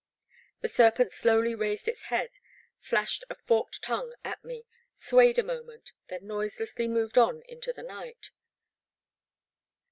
The serpent slowly raised its head, flashed a forked tongue at me, swayed a moment, then noiselessly moved on into the night.